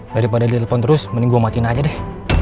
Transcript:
daripada di telepon terus mending gue matiin aja deh